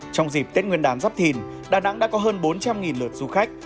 trong dịp tết nguyên đán giáp thìn đà nẵng đã có hơn bốn trăm linh lượt du khách